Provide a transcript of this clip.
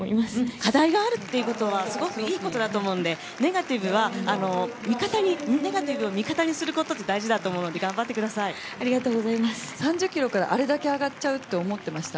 課題があるっていうことはすごくいいことだと思うんでネガティブを味方にすることって大事だと思うんで３０キロからあれだけ上がっちゃうと思ってました？